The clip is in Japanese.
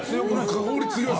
香り強い！